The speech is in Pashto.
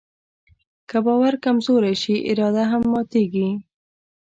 که باور کمزوری شي، اراده هم ماتيږي.